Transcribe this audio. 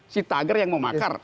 si tagar yang mau makar